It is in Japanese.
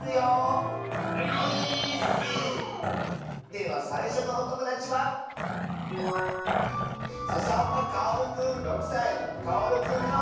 ではさいしょのおともだちはかおるくんの。